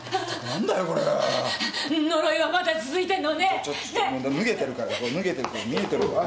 ちょちょっと脱げてるからこれ脱げてるから見えてるから。